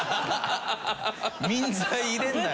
眠剤入れんなよ。